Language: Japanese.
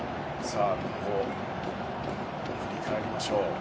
さあ振り返りましょう。